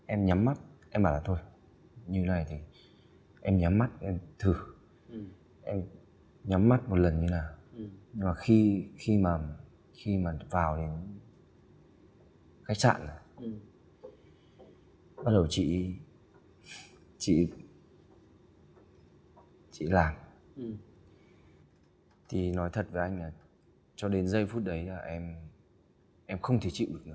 em nhắm mắt em bảo là thôi như thế này thì em nhắm mắt em thử em nhắm mắt một lần như thế nào và khi khi mà khi mà vào cái khách sạn này bắt đầu chị chị chị làm thì nói thật với anh là cho đến giây phút đấy là em em không thể chịu được nữa